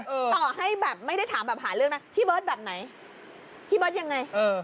ตอให้ไม่ได้ถามหาเรื่องเพียร์จแบบไหนพี่แบอร์จยังไง